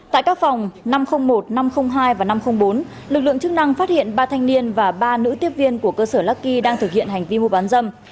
tại các phòng năm trăm linh một năm trăm linh hai và năm trăm linh bốn lực lượng chức năng phát hiện ba thanh niên và ba nữ tiếp viên của cơ sở lucky đang thực hiện hành vi mua bán dâm